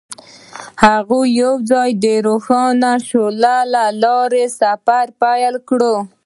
هغوی یوځای د روښانه شعله له لارې سفر پیل کړ.